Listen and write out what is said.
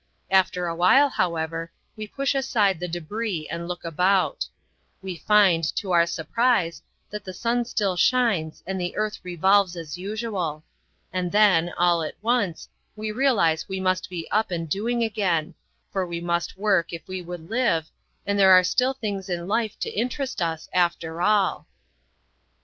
After awhile, how ever, we push aside the debris and look about; we find, to our surprise, that the sun still shines and the earth revolves as usual; and then, all at once, we realize we must be up and doing again, for we must work if we would live, and there are still things in life to interest us after all.